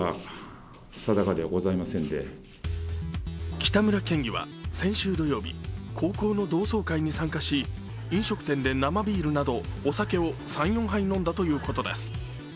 北村県議は先週土曜日、高校の同窓会に参加し飲食店で生ビールなどお酒を３４杯飲んだということです。